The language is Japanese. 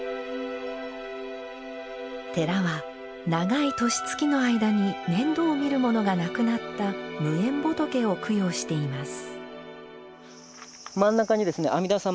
寺は、長い年月の間に面倒をみるものがなくなった無縁仏を供養しています。